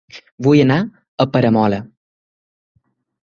Vull anar a Peramola